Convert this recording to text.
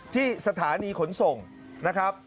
ที่สถานีขนส่งนะครับ